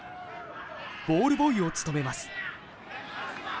ボールボーイを務めます。